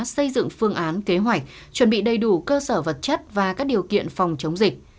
xây dựng phương án kế hoạch chuẩn bị đầy đủ cơ sở vật chất và các điều kiện phòng chống dịch